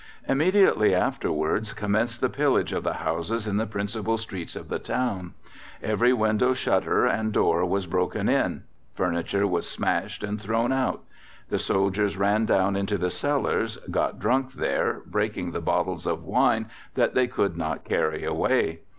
Immediately afterwards commenced the pillage of the houses in the principal streets of the Town. Every window shutter and door was broken in. Furniture was smashed and thrown out. The soldiers ran down into the cellars, got drunk there, breaking the bottles of wine that they could not carry away.